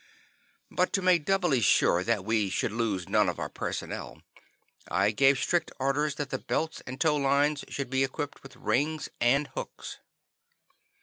But to make doubly sure that we should lose none of our personnel, I gave strict orders that the belts and tow lines should be equipped with rings and hooks.